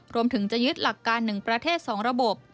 รวมถึงจะยึดหลักการ๑ประเทศ๒ระบบ